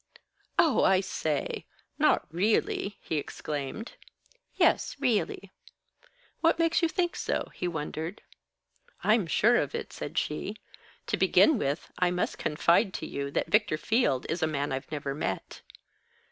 "Oh, I say! Not really!" he exclaimed. "Yes, really." "What makes you think so?" he wondered. "I'm sure of it," said she. "To begin with, I must confide to you that Victor Field is a man I've never met."